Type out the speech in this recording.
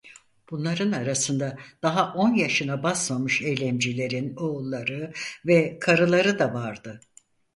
Bunların arasında daha on yaşına basmamış eylemcilerin oğulları ve karıları da vardı.